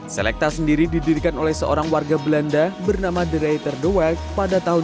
selekta sendiri didirikan oleh seorang warga belanda bernama dereiter de welk pada tahun seribu sembilan ratus dua puluh delapan